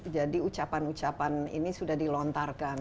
jadi ucapan ucapan ini sudah dilontarkan